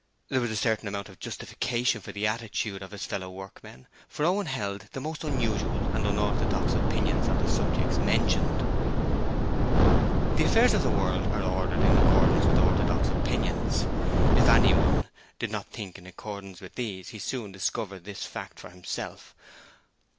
There was a certain amount of justification for the attitude of his fellow workmen, for Owen held the most unusual and unorthodox opinions on the subjects mentioned. The affairs of the world are ordered in accordance with orthodox opinions. If anyone did not think in accordance with these he soon discovered this fact for himself.